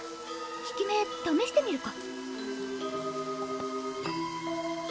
効き目ためしてみるか。